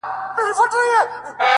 تور دي کړم بدرنگ دي کړم ملنگملنگ دي کړم